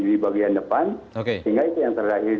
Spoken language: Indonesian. di bagian depan